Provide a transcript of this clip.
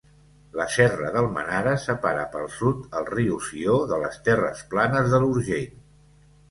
La serra d'Almenara separa pel sud el riu Sió de les terres planes de l'Urgell.